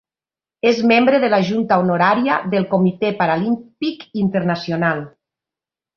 És membre de la junta honorària del Comitè Paralímpic Internacional.